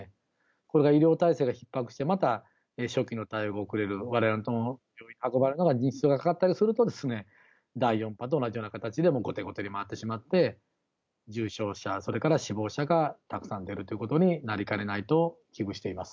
これが医療体制がひっ迫して、また初期の対応が遅れる、われわれの所に運ばれるまでに日数がかかったりすると、第４波と同じような形で後手後手に回ってしまって、重症者、それから死亡者がたくさん出るということになりかねないと、危惧しています。